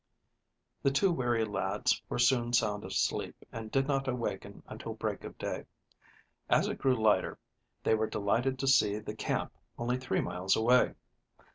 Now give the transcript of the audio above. The two weary lads were soon sound asleep, and did not awaken until break of day. As it grew lighter, they were delighted to see the camp only three miles away.